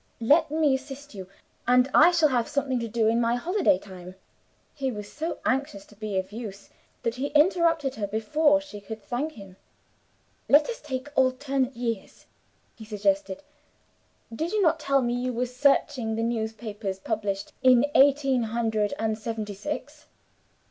"Let me assist you, and I shall have something to do in my holiday time." He was so anxious to be of use that he interrupted her before she could thank him. "Let us take alternate years," he suggested. "Did you not tell me you were searching the newspapers published in eighteen hundred and seventy six?"